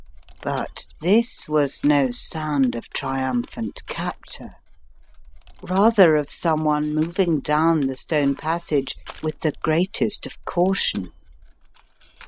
But this was no sound of triumphant captor, rather of someone moving down the stone passage with the greatest of caution.